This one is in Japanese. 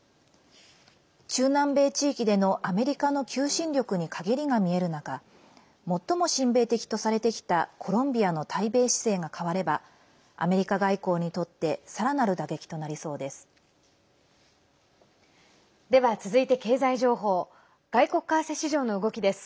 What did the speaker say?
中南米地域でのアメリカの求心力にかげりが見える中最も親米的とされてきたコロンビアの対米姿勢が変わればアメリカ外交にとってさらなる打撃となりそうです。